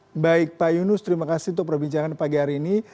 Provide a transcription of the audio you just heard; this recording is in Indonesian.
baik baik pak yunus terima kasih untuk perbincangan pagi hari ini